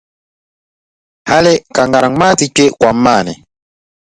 Hali ka ŋariŋ maa ti kpe kom maa ni.